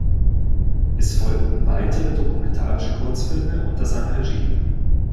Es folgten weitere dokumentarische Kurzfilme unter seiner Regie.